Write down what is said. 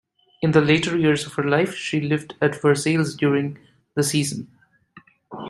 In the later years of her life, she lived at Versailles during the "season".